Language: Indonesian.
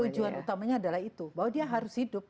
tujuan utamanya adalah itu bahwa dia harus hidup